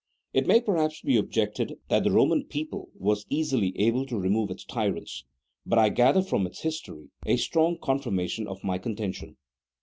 It may perhaps be objected that the Eoman people was easily able to remove its tyrants, but I gather from its his tory a strong confirmation of my contention.